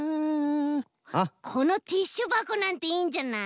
このティッシュばこなんていいんじゃない？